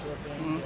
ide yang bagus